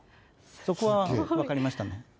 そこは分かりましたね。